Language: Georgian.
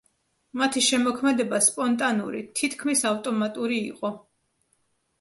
მათი შემოქმედება სპონტანური, თითქმის ავტომატური იყო.